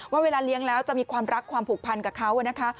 เวลาเลี้ยงแล้วจะมีความรักความผูกพันกับเขานะคะ